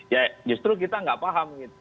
ya justru kita nggak paham gitu